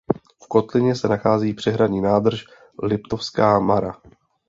V kotlině se nachází přehradní nádrž Liptovská Mara.